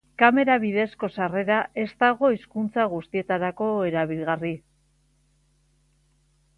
Kamera bidezko sarrera ez dago hizkuntza guztietarako erabilgarri.